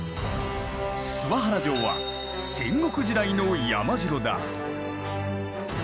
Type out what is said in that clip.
諏訪原城は戦国時代の山城だ。